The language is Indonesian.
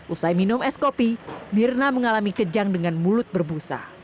usai minum es kopi mirna mengalami kejang dengan mulut berbusa